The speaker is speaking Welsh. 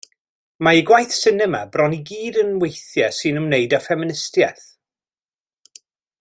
Mae ei gwaith sinema bron i gyd yn weithiau sy'n ymwneud â ffeministiaeth.